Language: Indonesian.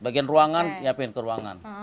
bagian ruangan siapin ke ruangan